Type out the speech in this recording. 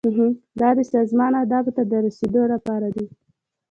دا د سازمان اهدافو ته د رسیدو لپاره دي.